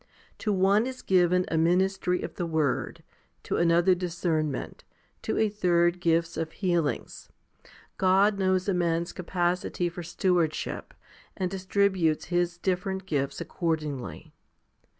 To one is given a ministry of the word, to another discernment, to a third gifts of healings. 1 God knows a man's capacity for stewardship, and distributes His different gifts accordingly.